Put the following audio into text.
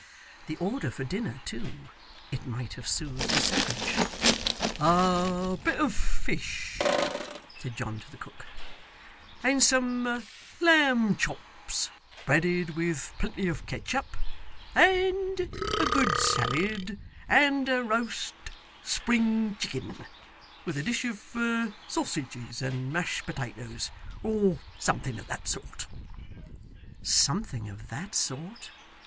The order for dinner too it might have soothed a savage. 'A bit of fish,' said John to the cook, 'and some lamb chops (breaded, with plenty of ketchup), and a good salad, and a roast spring chicken, with a dish of sausages and mashed potatoes, or something of that sort.' Something of that sort!